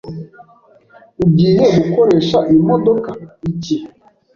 Ugiye gukoresha iyi modoka iki?